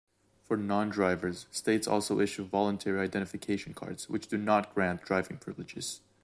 For non-drivers, states also issue voluntary identification cards which do not grant driving privileges.